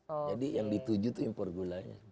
jadi yang dituju itu impor gulanya